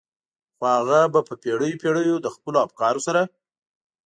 خو هغه به په پېړيو پېړيو له خپلو افکارو سره.